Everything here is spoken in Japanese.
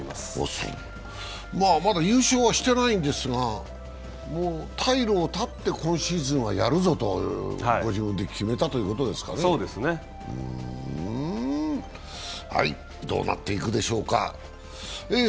まだ優勝はしてないんですが、退路を断って今シーズンはやるぞとご自分で決めたということですかね、どうなっていくでしょうか。